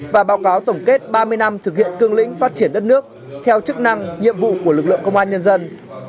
và báo cáo tổng kết ba mươi năm thực hiện cương lĩnh phát triển đất nước theo chức năng nhiệm vụ của lực lượng công an nhân dân